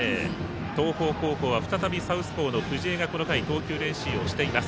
東邦高校は再びサウスポーの藤江が投球練習しています。